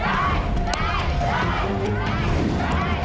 โอ้โฮ่ย